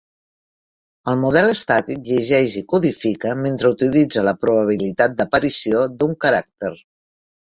El model estàtic llegeix i codifica mentre utilitza la probabilitat d'aparició d'un caràcter.